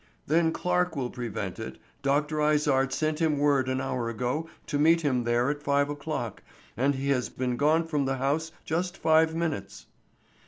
"Then Clarke will prevent it. Dr. Izard sent him word an hour ago to meet him there at five o'clock, and he has been gone from the house just five minutes."